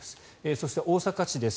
そして、大阪市です。